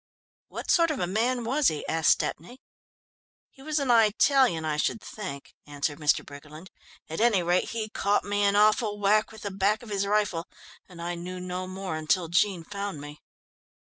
"What sort of a man was he?" asked Stepney. "He was an Italian, I should think," answered Mr. Briggerland. "At any rate, he caught me an awful whack with the back of his rifle, and I knew no more until Jean found me."